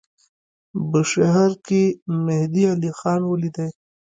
بوشهر کې مهدی علیخان ولیدی.